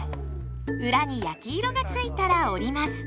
裏に焼き色がついたら折ります。